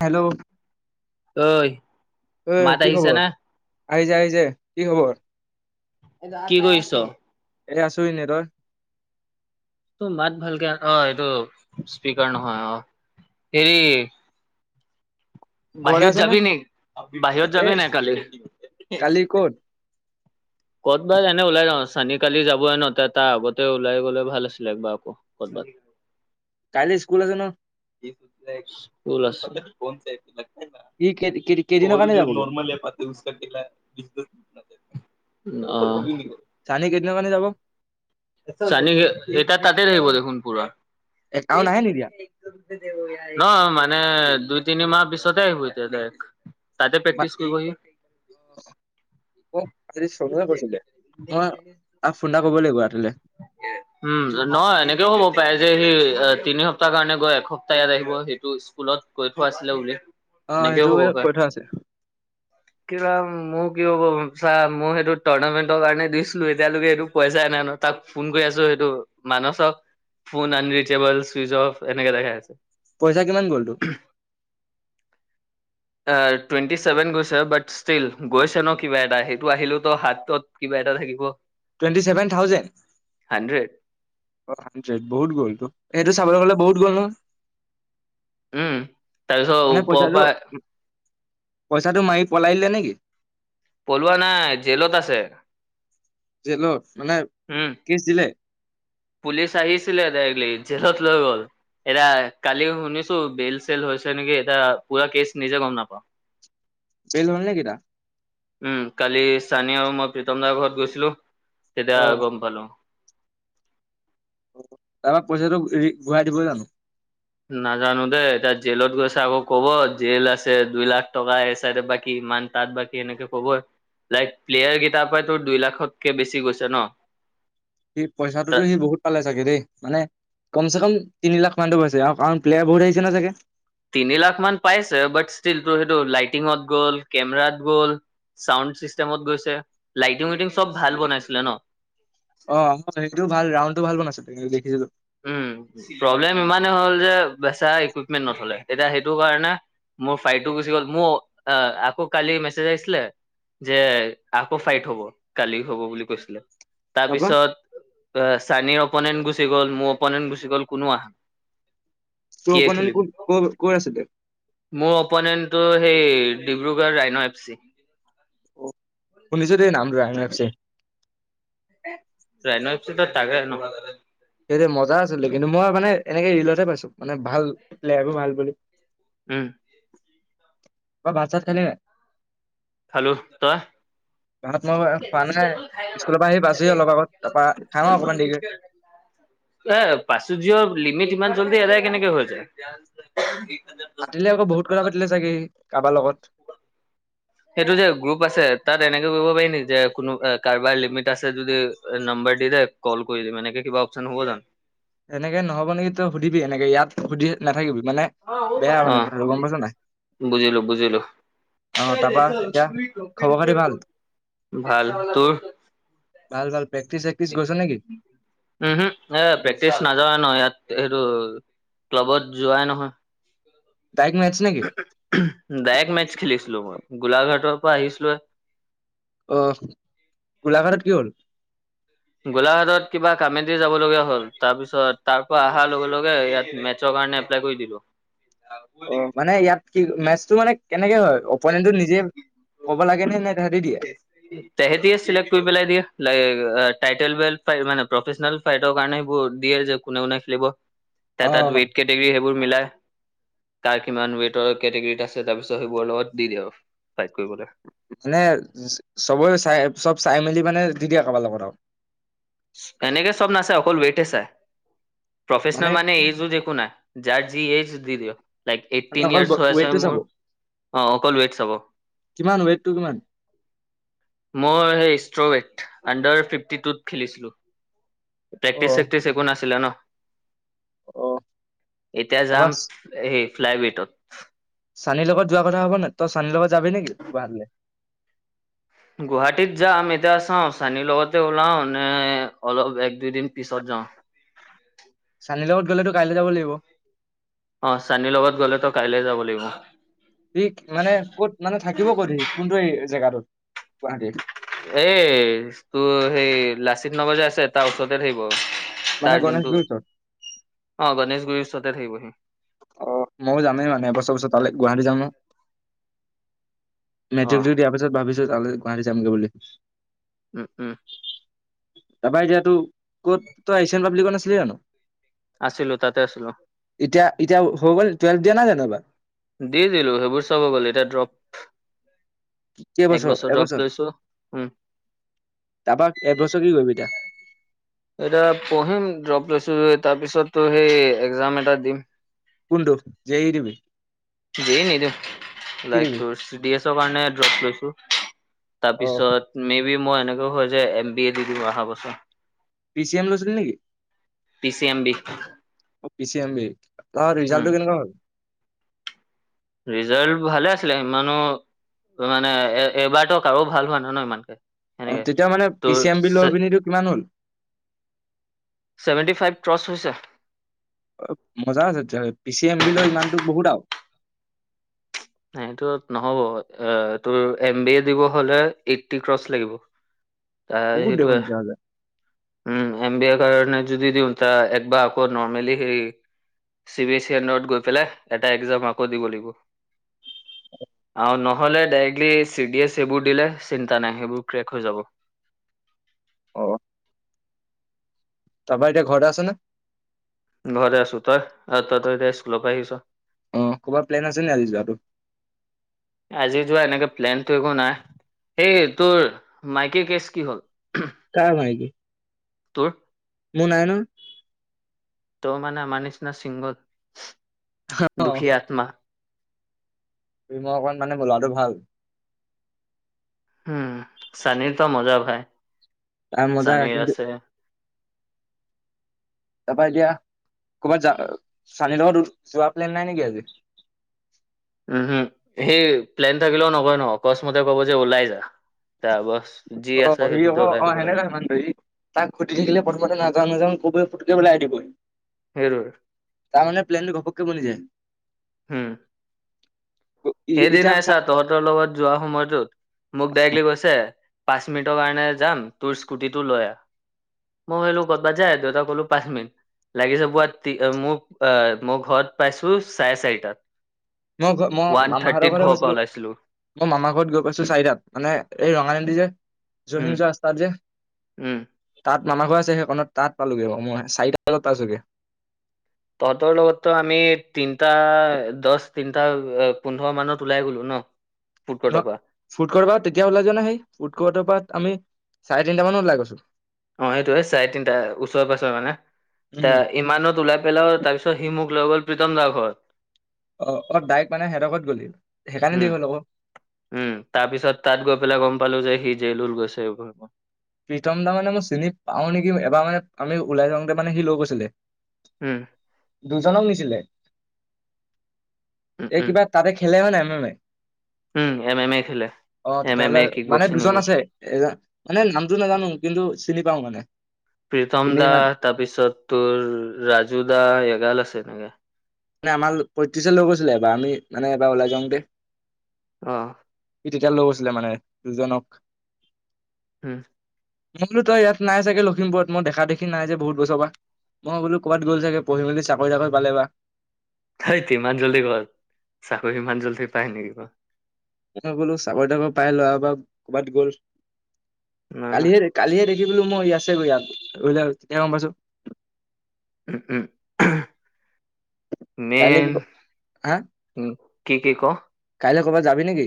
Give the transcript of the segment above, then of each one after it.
Hello অই উ, কি খবৰ আহি যা আহি যা কি খবৰ কি কৰি আছ এ, আছো এনে তই ত মাত ভালকে অ', এইটো স্পিকাৰ নহয় অ, হেৰি ঘৰতে বাহিৰত আছ যাবি নে বাহিৰত এ যাবি নাই কালি কালি ক'ত [unintelligible] ক'তবাত এনে ওলাই যাওঁ চানি কালি যাবই ন তাৰ আগতে ওলাই গ'লে ভাল আছিলে একবাৰ আকৌ ক'তবাত। কাইলৈ স্কুল আছে ন এক সুল আছিল [unintelligible] ই কেই কেই- কেইদিনৰ কল কাৰণে য যাবগে নৰ্মল এপ আত উজ ভ অ, চানি কেইদিনৰ কাৰনে যাব? চানি এটা তাতে আহিব দেখোন পুৰা এ আৰু নাহে নেকি ইয়াত? ন মানে দুই তিনি মাহ পিছতে আহিব এতিয়া দায়েক তাতে প্ৰেক্টিচ কৰিবহি। অ, আজি চমে কৈছো দে মই তাক ফুন এটা কব লাগিব। ৰাতিলে উম, নহয় এনেকেও হ'ব পাৰে যে সেই তিনি সপ্তাহ কাৰণে গৈ এসপ্তাহ ইয়াত আহিব সেইটো স্কুলত কৈ থোৱা আছিলে বুলি অ এনেকেও সেইটো হব পাৰে কৈ থোৱা আছে কিবা মোক কি হ'ব ছা মই সেইটো টুৰ্ণামেণ্টৰ কাৰণে দিছিলো এতিয়ালৈকে সেইটো পইচাই নাই নহয়। তাক ফোন কৰি আছো সেইটো মাইনচক ফোন আনৰিচবল চুইচ অফ এনেকে দেখাই আছে। পইচা কিমান গল তো? আ টুৱেণ্টি চেভেন গৈছে বাট ষ্টিল গৈছে ন কিবা এটা সেইটো আহিলো তো হাতত কিবা এটা থাকিব। Twenty seven thousand? Hundred hundred বহুত গ'ল টো সেইটো চাবলৈ গলে বহুত গ'ল নহয়। উম, তাৰপিছত মানে ওপৰৰ পইচাটো পৰা পইচাটো মাৰি পলাই দিলে নেকি? পলোৱাা নাই জেলত আছে। জেলত মানে উম। কেচ দিলে? পুলিচ আহিছিলে গাড়ীলে জেলত লৈ গ'ল। এতিয়া কালি শুনিছো বেল চেল হৈছে নেকি এতিয়া পুৰা কেচ নিজে গম নাপাওঁ। জেল হ'ল নেকি তাৰ? উম কালি চানি আৰু মই প্ৰীতম দাৰ ঘৰত গৈছিলো তেতিয়া অ গম পালো। তাৰপৰা পইচাটো ই ঘূৰাই দিব জানো? নাজানো দেই এতিয়া জেলত গৈছে আকৌ কব জেল আছে দুই লাখ টকা এ চাইডৰ বা কী কিমান তাঁত বা কি এনেকে ক'বই লাইক প্লেয়াৰ কেইতাপাৰ তোৰ দুই লাখতকৈ বেছি গৈছে ন? সি পইচাটোতো সি বহুত পালে চাগে দেই মানে কম চে কম তিনি লাখ সিমানটো পাইছে আৰু কাৰণ প্লেয়াৰ বহুত আহিছে নহয় চাগে। তিনি লাখ মান পাইছে বাট ষ্টিল তোৰ সেইটো লাইটিঙত গ'ল কেমেৰাত গ'ল। চাউণ্ড চিষ্টেমত গৈছে লাইটিং উইটিং চব ভাল বনাইছিলে ন অ অ সেইটো ভাল ৰাউডটো ভাল বোৱা [unintelligible] নাছিল দেখিছিলো উম প্ৰব্লেম ইমানে হ'ল যে বেচেৰা ইকুইপমেন্ট নথলে এতিয়া সেইটো কাৰণে মোৰ ফাইলটো গুচি গ'ল মোৰ অ আকৌ কালি মেছেজ আহিছিলে যে আকৌ ফাইট হব কালি হব বুলি কৈছিলে তাৰ তাৰপৰা পিছত অ চানিৰ অপনেন্ট গুচি গ'ল মোৰ অপনেণ্ট গুচি গ'ল কোনো আহা তোৰ কি অপনেণ্ট খেলিম কোন ক'ৰ আছিলে মোৰ অপনেণ্টটো সেই ডিব্ৰুগড়ৰ ৰাইন' এফ চি শুনিছো দেই নামটো rhino F C. Rhino F C তাকে ন সেইটো মজা আছিলে কিন্তু মই মানে এনেকে ৰিলতে পাইছো মানে ভাল প্লেয়াৰো ভাল বুলি উম। তই ভাত চাত খালি নাই? খালোঁ তই? ভাত মই খোৱা মানে স্কুলৰ পৰা আহি পাইছো হে অলপ আগত তাৰপৰা খাম আ অকণমান দেৰিকৈ। এ পাচু জঅৰ [unintelligible] লিমিট ইমান জল্দি এদায় কেনেকে হৈ যায় পাতিলে আকৌ বহুত কথা পাতিলে চাগে কাৰোবাৰ লগত ব সেইটো যে গ্ৰুপ আছে তাত এনেকে কৰিব পাৰি নেকি যে কোনো কাৰোবাৰ লিমিট আছে যদি বি [unintelligible] কল কৰি দি মানে কিবা অপশ্যন হব জানো এনেকে নহ'ব নেকি তই সুধিবি এনেকে ইয়াত সুধি নাথাকিবি মানে অ বেয়া মানে কথাটো গম পাইছ নাই বুজিলো বুজিলো অ তাৰপা এতিয়া খবৰ খাতি ভাল ভাল তোৰ ভাল ভাল প্ৰেক্টিচ চেক্টিচ কৰিছ নেকি তেজ নাযাই ন ইয়াত এইটো ক্লাবত যোৱাই নহয় ডাইৰেক্ট মেটচ নেকি ডাযেক মেচ খেলিছিলো মই গোলাঘাটৰ পৰা আহিছিলো আহ গোলাঘাটত কি হ'ল গোলাঘাটত কিবা কামেদি যাব লগীয়া হ'ল তাৰ পিছত তাৰ পৰা অহাৰ লগে লগে ইয়াত মেচৰ কাৰণে এপ্লাই কৰি দিলো অ মানে ইয়াত কি মেচটো মানে কেনেকে হয় অপনেণ্টো নিজে ক'ব লাগে নে নে তহঁতি দিয়ে তাহতিয়ে সেলেক কৰি পেলাই দিয়ে। টাইটেল মানে প্ৰফেচনেল ফাইটৰ কাৰণে এইবোৰ দিয়ে যে কোনে কোনে খেলিব অ তাত ৱেইট কেটেগৰী সেইবোৰ মিলাই কাৰ কিমান ৱেইটৰ কেটেগৰীত আছে তাৰপিছত সেইবোৰৰ লগত দি দিয়ে আৰু ফাইট কৰিবলৈ মানে চবেই চাই চব চাই মেলি মানে তেতিয়া একবাৰালত [unintelligible] আৰু এনেকে চব নাচাই অকল ৱেটে চাই প্ৰফেচনেল মানে এইজো একো নাই যাৰ যি এইজ দি দিয়ে লাইক এইটটিন অকল ইয়াৰ্চ হৈ আছে ৱেইটটো চাব মোৰ অ অকল ৱেট চাব কিমান ৱেইটটো কিমান মই সেই ষ্ট্ৰবেৰট আণ্ডাৰ ফিফটি টুত খেলিছিলো অ প্ৰেক্টিচ চেক্টিচ একো নাছিলে ন অ এতিয়া যাম তাৰপা হ ফ্লাই ভেটত চানীৰ লগত যোৱা কথা হ'ব ন তই চানিৰ লগত যাবি নেকি গুৱাহাটীলৈ গুৱাহাটীত যাম এতিয়া চাও চানীৰ লগতে ওলাও নে অলপ দুদিন পিছত যাওঁ চানীৰ লগত গ'লেতো কাইলৈ যাব লাগিব অ চানিৰ লগত গ'লেতো কাইলে যাব লাগিব স মানে ক'ত মানে থাকিব ক'ত সি কোনটো জেগাটোত গুৱাহাটী এ তোৰ সেই লাচিত নগৰ যে আছে তাৰ ওচৰতে থাকিব মানে তাৰ যোনটো গণেশগুৰিৰ ওচৰত? অ গনেশগুৰিৰ ওচৰতে থাকিবহি অ' ময়ো যামেই মানে এবছৰ পিছত তালৈ গুৱাহাটী যাম নহয়। অ মেট্ৰিকটো দিয়াৰ পিছত ভাবিছো তালৈ গুৱাহাটী যামগৈ বুলি। উম উম তাৰপৰা এতিয়াতো ক'ত তই এছিয়ান পাব্লিকত নাছিলি জানো? আছিলো তাতে আছিলো। এতিয়া এতিয়া হৈ গ'ল টুৱেল্ভ দিয়া নাই জানোবা এইবাৰ। দি দিলো সেইবোৰ চাব হৈ গ'ল এতিয়া ড্ৰপ। এক কেইবছৰ বছৰ ড্ৰপ এবছৰ? লৈছো উম তাৰপৰা এবছৰ কি কৰিবি এতিয়া? এয়া পঢ়িম ড্ৰপ লৈছো তাৰ পিছত সেই একজাম এটা দিম কোনটো জে ই দিবি দেই নিদো কি লাইক দিবি? চি ডি এছৰ কাৰণে ড্ৰপ লৈছো অ' তাৰপিছত মে বি মই এনেকৈ হয় যে এম বি এ দিও অহা বছৰ পি চি এম লৈছিলি নেকি? P C M B P M B ত উম ৰিজাল্টটো কেনেকোৱা হ'ল ৰিজাল্ট ভালে আছিলে সিমানো মানে এ এবাৰতো কাৰো ভাল হোৱা নাই নয় ইমানকে অ সেনেকে তেতিয়া মানে পি তোৰ চি এম বি লৈ পিনটো কিমান হ'ল। ছেভেন্টি ফাইভ ক্ৰছ হৈছে মজা আছে তেতিয়া হ'লে, পি চি এম বি লৈ ইমানতো বহুত আৰু। এইটো নহ'ব এ তোৰ এম বি এ দিব হলে এইটটি ক্ৰচ লাগিব। ত বহুত দেখোন সেইটোৱে তেতিয়াহ'লে উম এম বি এ কাৰণে যদি দিওঁত একবাৰ আকৌ নৰ্মেলি সেই চি বি এছ ই আন্দৰত গৈ পেলাই এটা এক্জাম আকৌ দিব লাগিব। [unintelligible] আৰু নহ'লে ডাইৰেক্টলি চি ডি এছ সেইবোৰ দিলে চিন্তা নাই সেইবোৰ ক্ৰেক হৈ যাব। অ তাৰপা এতিয়া ঘৰতে আছেনে? ঘৰে আছো, তই আৰু তই তই এতিয়া স্কুলৰ পৰা আহিছ। অ', ক'ৰবাৰ প্লেন আছে নে আজি যোৱাটো? আজি যোৱা এনেকে প্লোন টো একো নাই এই তোৰ মাইকী কেচ কি হ'ল? কাৰ মাইকি? তোৰ। মোৰ নাই নহয়। তই মানে আমাৰ নিচিনা ছিংগল, দুখী আত্মা। তুমি মই অকণ মানে গ'লটো ভাল। উম চানীৰ ত মজা ভাই। তাৰ মজা। চানীৰ কিন্তু আছে তাৰপা এতিয়া? ক'বাত যা চানিহ'তৰ যোৱাৰ প্লেন নাই নেকি আজি? উম হম সি প্লেন থাকিলেও নকয় না, অকস্মতে ক'ব যে ওলাই যা। তাৰ বছ যি অ' আছে [unintelligible] সি সেইটোতে অ ওলাই অ দিব লাগে সেনেকা সান দেি তাক ঘুটি থাকিলে প্ৰথমতে নাযাওঁ নাযা কব ফু বুলিি [unintelligible] হেইতোৱে। তাৰ মানে প্লেনটো ঘপকে বনি যায়। হম এদিনাই চা তহঁতৰ লগত যোৱা সময়টোত মোক ডাইৰেক্ট লি কৈছে পাঁচ মিনিটৰ কাৰণে যাম তোৰ স্কুটিটো লৈ আহ। মই মই ভাবিলো ক'ত বা যাই দ'তাক ক'লো পাঁচ মিনিট লাগিছে পোৱাত মোৰ আহ মই ঘৰত পাইছো চাৰে চাৰিটাত। মই ঘ মই ওৱান মামা হ'তৰ থাৰ্টিত ঘৰলৈ ঘৰৰ পৰা গৈছিলো। ওলাইছিলো মই মামাৰ ঘৰত গৈ পাইছো চাৰিটাত, মানে এই ৰঙানদী যে উম জসিং যোৱা ৰাস্তাত যে উম মামাঘৰ আছে সেইকনত তাত পালোগে মই চাৰিটা বজাত পাইছোগে। তহঁতৰ লগতো আমি তিনটা দহ তিনটা পোন্ধৰ মানত ওলাই গ'লো ন। ফুড ন কৰ্টৰ পৰা ফুড কৰ্টৰ পৰা তেতিয়া ওলাই যা না সি। ফুড কৰ্টৰ পৰা আমি চাৰে তিনিটা মানত ওলাই গৈছে অ সেইটোয়ে চাৰে তিনটা ওচৰে পাজৰে মানে এ উম ইমানত ওলাই পেলাইও তাৰ পিছত সি মোক লৈ গ'ল প্ৰীতম দা ঘৰত অ অপ ডাইেক্ট মানে সেঁই দকত গলি সেইকাৰণে উম দেৰি হ'ল আকৌ উম তাৰ পিছত তাত গৈ পেলাই গম পালো যে সি জেল উল গৈছে প্ৰীতম দা মানে মই চিনি পাওঁ নেকি এবাৰ মানে আমি ওলাই যাওঁতে মানে সি লৈ গৈছিলে। উম দুজনক নিছিলে, উম, এই উম, কিবা তাতে খেলে গৈ না মেমে। উম এম এম এ খেলে। অ এম এম তেতিয়াহ'লে এ কিক মানে বক্সিং দুজন এইবোৰ। আছে এ মানে নামটো নাজানো কিন্তু চিনি পাও মানে প্ৰীতম এনেই দা মানে তাৰপিছত তোৰ ৰাজু দা এগাল আছে এনেকে মানে আমাৰ পঁয়ত্ৰিশ লৈ গৈছিলে এবাৰ আমি মানে এবাৰ ওলাই যাওঁ দে আহ তেতিয়া লগ হৈছিলে মানে দুজনক হম মইতো তই ইয়াত নাই চাগে লখিমপুৰত মই দেখা দেখি নাই যে বহুত বছৰ পৰা মই বোলো ক'ৰবাত গ'ল চাগে পঢ়ি মেলি চাকৰি তাকৰি পালে বা তত ইমান জল্দি কৰ চাকৰি ইমান জল্দি পায় নেকি ক বলো চাকৰি তাকৰি পাই লৰা বা ক'ৰবাত গ'ল বাৰু না না কালিহে কালিহে দেখ বোলো মই ইযাতছে গৈ ইযাত তেওঁ মাজত [unintelligible] উম উম কাইলৈ মন কি হা উ কি কি ক কাইলৈ কৰ'বাত যাবি নেকি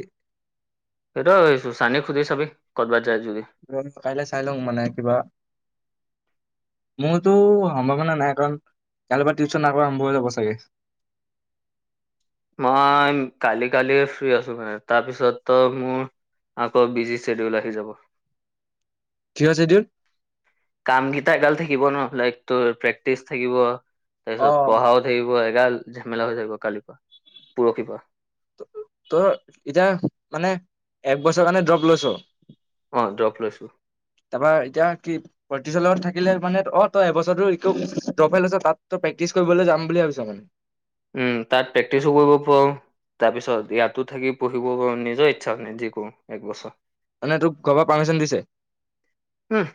সেইটো চানিক খুজি চাবি কত ব [unintelligible] কাইলৈ চাই লওঁ মানে কিবা মোৰতো সম্ভাৱনা নাই কাৰণ কোইলৈ পৰা টিউচন আকৌ আৰম্ভ হৈ যাব চাগে মই কালি কালি ফ্ৰী আছো মানে তাৰপিছত মোৰ আকৌ বিজি ছেডিউল আহি যাব কিহৰ ছেদুল কাম কেইটা এগাল থাকিব ন লাইক তোৰ প্ৰেক্টিচ থাকিব অ তাৰপিছত পঢ়াও থাকিব। ঝেমেলা হৈ যাব কালি পৰা পৰহি পৰা তই এতিয়া মানে একবছৰ কাৰণে ড্ৰপ লৈছ অ ড্ৰপ লৈছো তাৰপৰা এতিয়া কি। লগত থাকিলে মানে অ' তই এবছৰো একো ড্ৰপ আছ তাত তই প্ৰেক্টিচ কৰিবলৈ যাম বুলি ভাবিছো মানে। উম তাত প্ৰেক্টিচো কৰিব পাৰো। তাৰপিছত ইয়াতো থাকি পঢ়িব নিজৰ ইচ্ছা মানে যি কৰো এক বছৰ। মানে তোক ঘৰৰ পৰা পাৰ্মিশ্যন দিছে। উম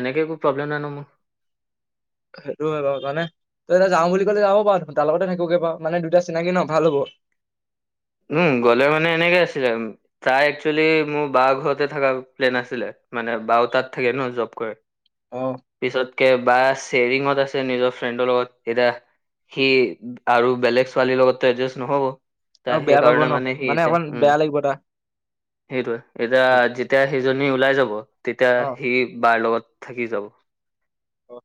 এনেকে একো প্ৰব্লেম নাই ন' মোৰ। সেইটো কাৰনে [unintelligible] তই এতিয়া যাওঁ বুলি ক'লে যাব পৰ তাৰ লগতে থাকিবগে পাৰো মানে দুটা চিনাকি ন' ভাল হব। উম গ'লে মানে এনেকে আছিলে তাই একচুৱেলি মোৰ বাৰ ঘৰতে থকা প্লেন আছিলে। মানে বাও তাত থাকে ন' জব কৰে পিছত। বা শ্বেয়াৰিঙত আছে নিজৰ ফ্ৰেণ্ডৰ লগত এতিয়া। সি আৰু বেলেগ ছোৱালীৰ লগতো এডজাষ্ট নহ'ব। আৰু তাই সেই বেয়া পাব কাৰণে ন মানেহি সি মানে এতিয়া অকমান উম। বেয়া লাগিব তাৰ সেইটোয়ে, এতিয়া যেতিয়া সেইজনী ওলাই যাব। তেতিয়া অ সি বাৰ লগত থাকি যাব। অ',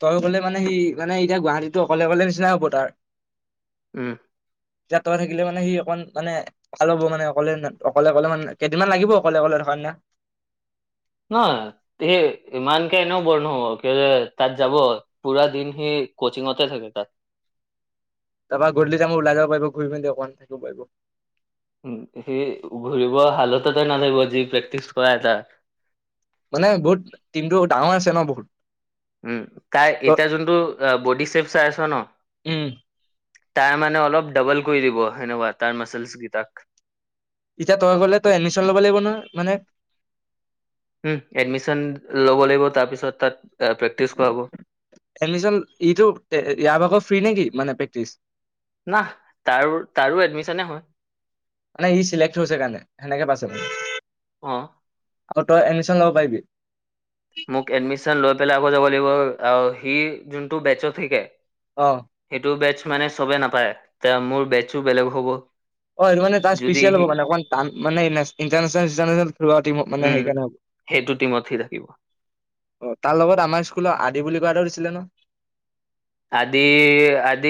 তই নগলে মানে সি মানে এতিয়া গুৱাহাটীতো অকলে অকলে নিচিনা হব তাৰ। উম। ইয়াত ত‌ই থাকিলে মানে সি অকণ মানে ভাল হ'ব মানে অকলে অকলে অকলে মানে কেইদিনমান লাগিব অকলে অকলে। [unintelligible] নহয়, সি ইমানকে এনেও বোৰ নহব কিয় যে তাত যাব পুৰা দিন সি। কচিংতে থাকে তাত। তাৰপৰা গধূলি টাইমত ওলাই যাব পাৰিব ঘূৰি মেলি অকমান থাকিব পাৰিব। উম, হে ঘূৰিব হালততে নাথাকিব যি প্ৰেক্টিচ কৰাই তাত মানে বহুত টিমটো ডাঙৰ আছে ন' বহুত। উম, তাই ত এতিয়া যোনটো বডি চেপচ চাই আছো ন'। উম তাই মানে অলপ ডাবল কৰি দিব সেনেকুৱা তাৰ মাচলছ্ কেইটাক। এতিয়া তই গলে তই এডমিচন ল'ব লাগিব ন' মানে। উম, এডমিচন ল'ব লাগিব তাৰ পিছত তাত প্ৰেক্টিচ কৰাব। এডমিশ্যন ইটো ইয়াৰ ভাগত ফ্ৰী নেকি মানে প্ৰেক্টিচ। নাহ তাৰো তাৰো এডমিশ্যনে হয়। মানে ই চিলেক্ট হৈছে কাৰণে সেনেকে পাইছে। অ'। আকৌ তই এডমিশ্যন ল'ব পাৰিবি। মোক এডমিশ্যন লৈ পেলাই আকৌ যাব লাগিব সি যোনটো বেত্‌চত শিকে। অ সেইটো বেটচ্ মানে চবে নাপায় এতিয়া মোৰ বেটছো বেলেগ হ'ব। অ' এইটো মানে তাৰ যদি স্পেচিয়েল হব সি মানে অকমান টান মানে নেশ্য ইন্টাৰনেশ্যনেল ইন্টাৰনেশ্যনেল খেলোৱা টিম মানে উম, সেইকাৰনে, সেইটো টিমত সি থাকিব তাৰ লগত আমাৰ স্কুলৰ। হেৰি বুলি কোৱা দিছিলে ন'। আদি আদি।